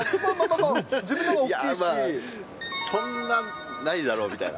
でも、そんな、ないだろうみたいな。